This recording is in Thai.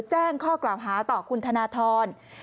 แจ้งข้อกล่าวหาต่อคุณธนทร